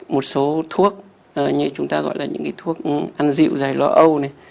một số thuốc như chúng ta gọi là những thuốc ăn dịu dài lọ âu